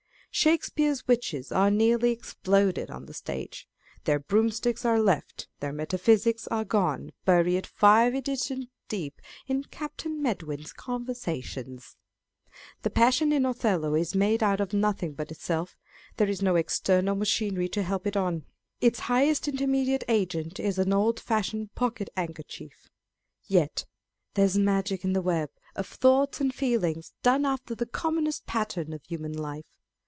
Shakespeare's witches are nearly exploded on the stage. Their broom sticks are left; their metaphysics are gone, buried five editions deep in Captain Medwin's Conversations ! The passion in Othello is made out of nothing but itself; there is no external machinery to help it on ; its highest intermediate agent is an old fashioned pocket handkerchief. Yet " there's magic in the web " of thoughts and feelings, done after the commonest pattern of human life.